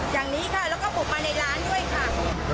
อย่างนี้ค่ะแล้วก็บุกมาในร้านด้วยค่ะ